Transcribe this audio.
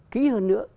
kỹ hơn nữa